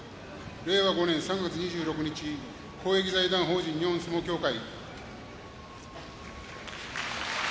令和５年３月２６日公益財団法人日本相撲協会